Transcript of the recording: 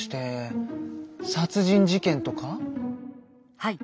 はい。